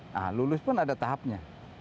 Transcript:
nah lulus pun ada tahapnya